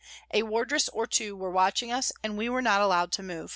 A wardress or two were watching us, and we were not allowed to move.